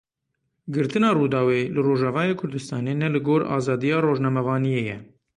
Girtina Rûdawê li Rojavayê Kurdistanê ne li gor azadiya rojnamevaniyê ye.